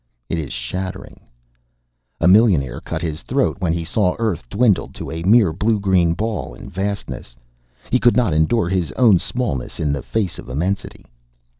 It is shattering. A millionaire cut his throat when he saw Earth dwindled to a mere blue green ball in vastness. He could not endure his own smallness in the face of immensity.